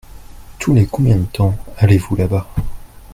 Tous les combien de temps allez-vous là-bas ?